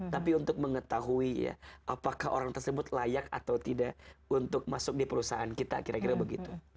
tapi untuk mengetahui ya apakah orang tersebut layak atau tidak untuk masuk di perusahaan kita kira kira begitu